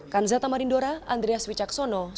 kanzata marindora andreas wicaksono surat kisah